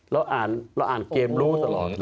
เราอ่านเกมรู้ตลอด